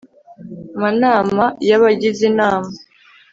manama y abagize inama